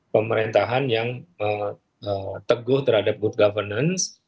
pemerintahan yang teguh terhadap good governance